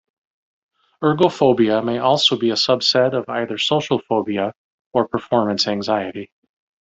Ergophobia may also be a subset of either social phobia or performance anxiety.